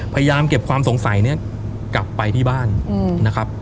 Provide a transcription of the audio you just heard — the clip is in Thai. พยายามเก็บความสงสัยนี้กลับไปที่บ้านนะครับ